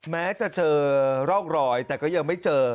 แม้จะเจอร่องรอยแต่ก็ยังไม่เจอ